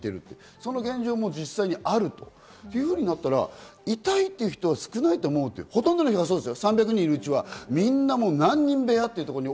その現状も実際あるというふうになったら、いたい人は少ないと思って、ほとんどの人はそうですよ。